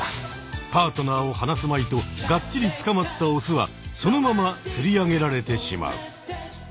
パートナーを離すまいとがっちりつかまったオスはそのままつり上げられてしまう。